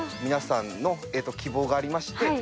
皆さんの希望がありまして。